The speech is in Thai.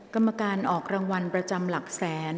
กรรมการออกรางวัลประจำหลักแสน